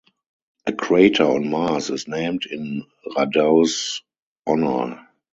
A crater on Mars is named in Radau's honor.